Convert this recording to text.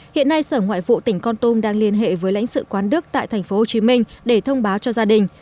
hiện nay sở ngoại vụ tỉnh con tum đang liên hệ với lãnh sự quán đức tại thành phố hồ chí minh để thông báo cho gia đình